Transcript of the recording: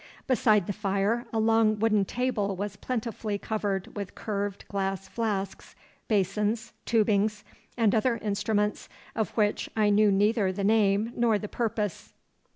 Beside the fire a long wooden table was plentifully covered with curved glass flasks, basins, tubings, and other instruments of which I knew neither the name nor the purpose.